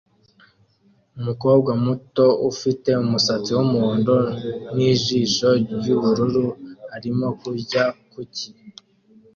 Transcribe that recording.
Umukobwa muto ufite umusatsi wumuhondo nijisho ryubururu arimo kurya kuki